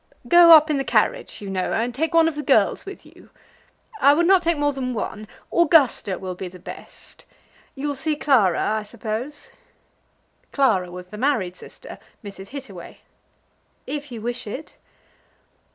"Go up in the carriage, you know, and take one of the girls with you. I would not take more than one. Augusta will be the best. You'll see Clara, I suppose." Clara was the married sister, Mrs. Hittaway. "If you wish it."